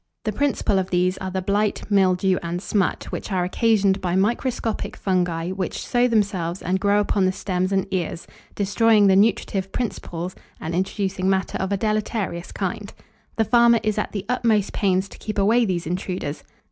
The principal of these are the blight, mildew, and smut, which are occasioned by microscopic fungi, which sow themselves and grow upon the stems and ears, destroying the nutritive principles, and introducing matter of a deleterious kind. The farmer is at the utmost pains to keep away these intruders.